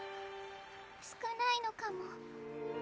少ないのかも。